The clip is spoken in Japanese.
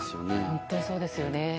本当にそうですよね。